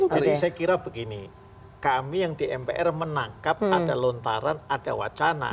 jadi saya kira begini kami yang di mpr menangkap ada lontaran ada wacana